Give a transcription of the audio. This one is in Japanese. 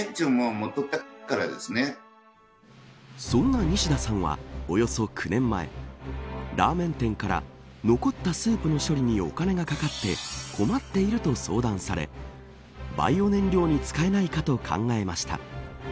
そんな西田さんはおよそ９年前ラーメン店から残ったスープの処理にお金がかかって困っていると相談されバイオ燃料に使えないかと考えました。